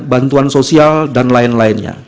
bantuan sosial dan lain lainnya